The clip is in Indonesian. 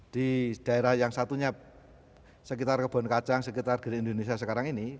di daerah yang satunya sekitar kebun kacang sekitar indonesia sekarang ini